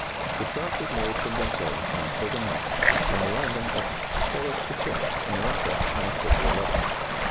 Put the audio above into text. The start was made from Vincennes on October 9th, and the landing at Korostischeff, in Russia, on October 11th.